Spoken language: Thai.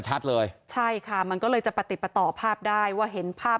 ชัดเลยใช่ค่ะมันก็เลยจะประติดประต่อภาพได้ว่าเห็นภาพ